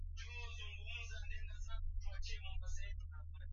ili kukabiliana na mashambulizi zaidi ambayo yanaweza kutokea